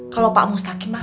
kalo pak mustaqimah